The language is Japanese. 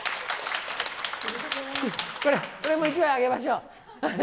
これも１枚あげましょう。